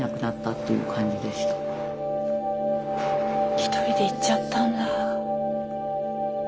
一人で行っちゃったんだ。